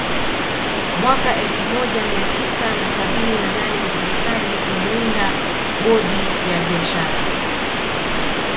Mwaka elfu moja mia tisa na sabini na nane serikali iliunda bodi ya biashara